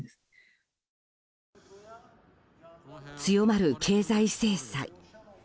強まる経済制裁。